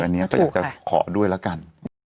อืมใช่ไม่ถูกค่ะอันนี้ก็อยากจะขอด้วยละกัน